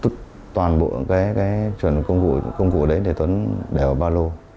trước khi tuấn đi cướp này tuấn có toàn bộ công cụ để đè vào ba lô